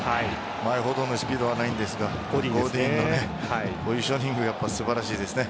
前ほどのスピードはありませんがゴディンのポジショニング素晴らしいですね。